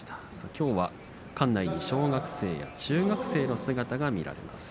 きょうは館内、小学生中学生の姿が見られます。